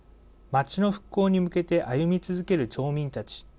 町の復興に向けて歩み続ける町民たち。